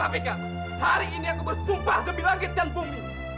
tapi kak hari ini aku bersumpah kebi lakit dan bumi